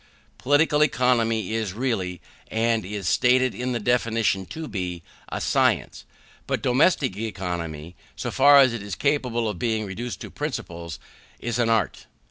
Political Economy is really, and is stated in the definition to be, a science: but domestic economy, so far as it is capable of being reduced to principles, is an art.